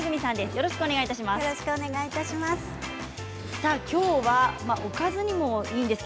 よろしくお願いします。